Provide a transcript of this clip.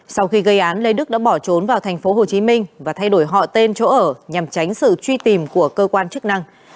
sau khi gây án lê đức đã bỏ trốn vào tp hcm và thay đổi họ tên chỗ ở nhằm tránh sự truy tìm của cơ quan chức năng